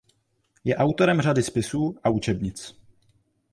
Je autorem řady spisů a učebnic.